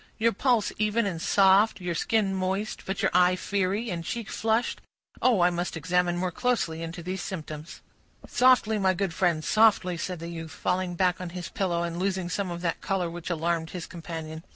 "Your pulse even and soft, your skin moist, but your eye fiery, and cheek flushed. Oh! I must examine more closely into these symptoms." "Softly, my good friend, softly," said the youth, falling back on his pillow, and losing some of that color which alarmed his companion.